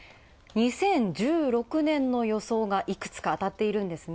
２０１６年の予想がいくつか当たっているんですね。